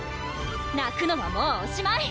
なくのはもうおしまい！